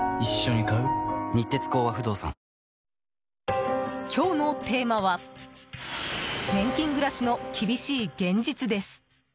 本麒麟今日のテーマは年金暮らしの厳しい現実です。